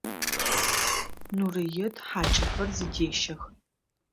Нурыет хьакӏэхэр зыдещэх.